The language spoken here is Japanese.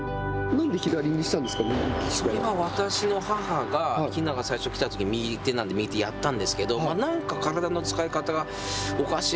私の母がひなが最初に来たとき右手なんで、右手やったんですけど、何か体の使い方がおかしい。